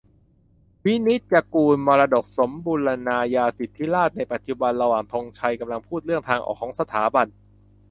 วินิจจะกูล 'มรดกสมบูรณาญาสิทธิราชย์ในปัจจุบัน' ระหว่างธงชัยกำลังพูดเรื่องทางออกของสถาบัน